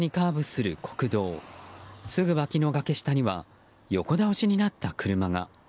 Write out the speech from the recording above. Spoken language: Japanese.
すぐ脇の崖下には横倒しになった車が。